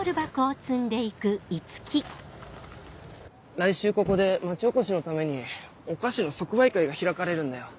来週ここで町おこしのためにお菓子の即売会が開かれるんだよ。